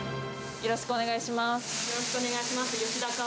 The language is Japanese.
よろしくお願いします。